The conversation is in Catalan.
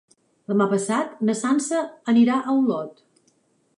Demà passat na Sança anirà a Olot.